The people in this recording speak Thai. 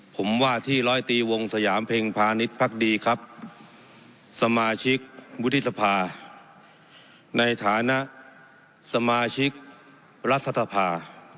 ผมว่าที่ร้อยตีวงสยามเพ็งพาณิชย์พักดีครับสมาชิกวุฒิสภาในฐานะสมาชิกรัฐสภา